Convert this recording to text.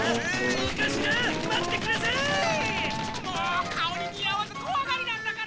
もう顔ににあわずこわがりなんだから！